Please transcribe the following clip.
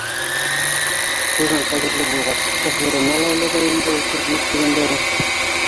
Хужаң ҡәҙерле булғас, шоферына ла эләгә инде ул хөрмәт тигәндәре